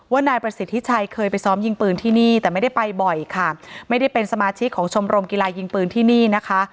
นายประสิทธิชัยเคยไปซ้อมยิงปืนที่นี่แต่ไม่ได้ไปบ่อยค่ะไม่ได้เป็นสมาชิกของชมรมกีฬายิงปืนที่นี่นะคะ